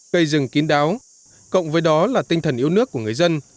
cây rừng kín đáo cộng với đó là tinh thần yêu nước của người dân